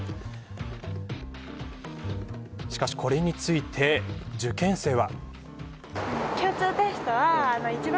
しかし、これについて受験生は。